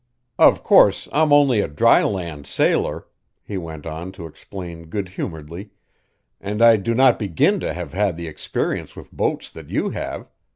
"Of course I'm only a dry land sailor," he went on to explain good humoredly, "and I do not begin to have had the experience with boats that you have.